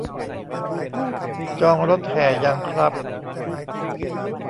จองรถแห่ยังครับ